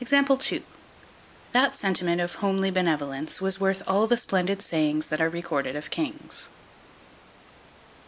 That sentiment of homely benevolence was worth all the splendid sayings that are recorded of kings.